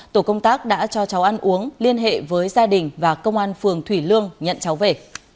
tổ công tác đã cho cháu ăn uống liên hệ với gia đình và công an phường thủy lương nhận cháu về